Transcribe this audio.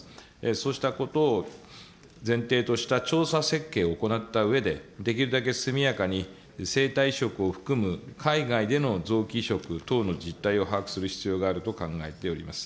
そうしたことを前提とした調査設計を行ったうえで、できるだけ速やかに生体移植を含む海外での臓器移植等の実態を把握する必要があると考えております。